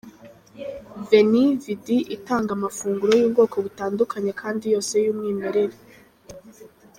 Veni Vidi itanga amafunguro y’ubwoko butandukanye kandi yose y’umwimerere.